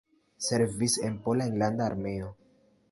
Servis en Pola Enlanda Armeo.